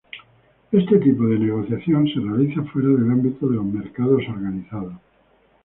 Este tipo de negociación se realiza fuera del ámbito de los mercados organizados.